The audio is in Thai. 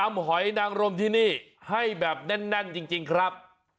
หอยนางรมที่นี่ให้แบบแน่นจริงครับ